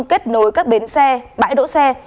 kết nối các bến xe bãi đỗ xe